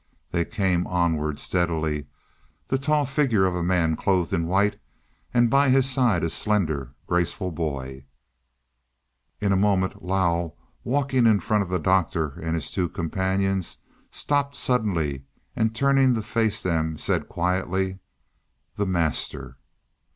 They came onward steadily, the tall figure of a man clothed in white, and by his side a slender, graceful boy. In a moment more Lao, walking in front of the Doctor and his two companions, stopped suddenly and, turning to face them, said quietly, "The Master."